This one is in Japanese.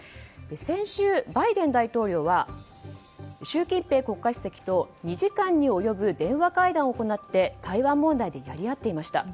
先週、バイデン大統領は習近平国家主席と２時間に及ぶ電話会談を行って台湾問題でやりあっていました。